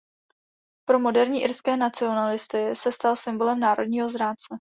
Pro moderní irské nacionalisty se stal symbolem "národního zrádce".